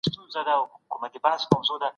د غور مرکزي ښار فیروزکوه دی.